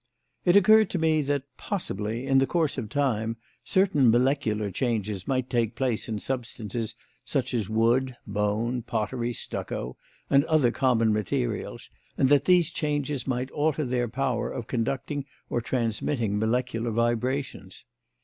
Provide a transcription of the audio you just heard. It occurred to me that, possibly, in the course of time, certain molecular changes might take place in substances such as wood, bone, pottery, stucco, and other common materials, and that these changes might alter their power of conducting or transmitting molecular vibrations.